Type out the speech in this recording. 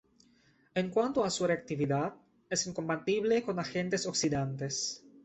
En cuanto a su reactividad, es incompatible con agentes oxidantes.